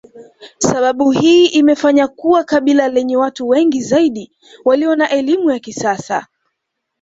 Sababu hii imefanya kuwa kabila lenye watu wengi zaidi walio na elimu ya kisasa